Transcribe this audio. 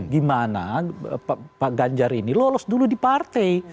gimana pak ganjar ini lolos dulu di partai